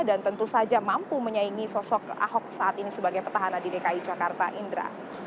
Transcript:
dan tentu saja mampu menyaingi sosok ahok saat ini sebagai petahana di dki jakarta indra